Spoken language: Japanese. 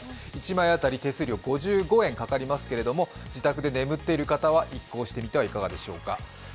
１枚当たり手数料５５円かかりますけれども、自宅で眠っている方は移行してみてはいかがでしょうか。